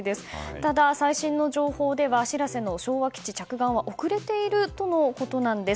ただ、最新の情報では「しらせ」の昭和基地着岸は遅れているとのことです。